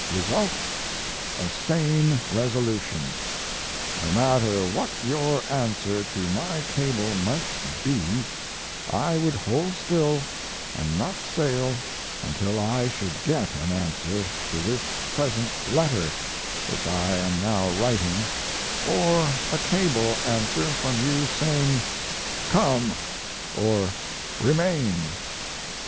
Result a sane resolution; no matter what your answer to my cable might be I would hold still and not sail until I should get an answer to this present letter which I am now writing or a cable answer from you saying "Come" or "Remain."